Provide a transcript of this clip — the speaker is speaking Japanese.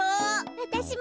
わたしも。